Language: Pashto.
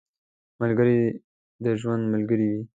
ملګری د ژوند ملګری وي